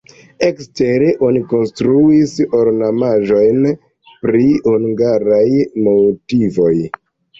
Ekstere oni konstruis ornamaĵojn pri hungaraj motivoj.